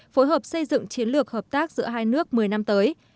phối hợp xây dựng chiến lược hợp tác giữa hai nước một mươi năm tới